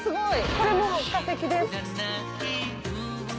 これも化石です。